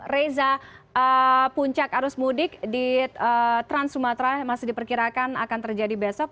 reza puncak arus mudik di trans sumatera masih diperkirakan akan terjadi besok